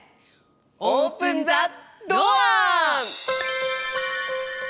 オープンザドア！